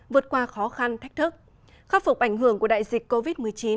vượt qua khó khăn thách thức khắc phục ảnh hưởng của đại dịch covid một mươi chín